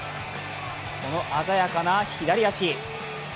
この鮮やかな左足。